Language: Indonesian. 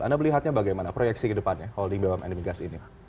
anda melihatnya bagaimana proyeksi ke depannya holding bumn migas ini